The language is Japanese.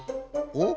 おっ？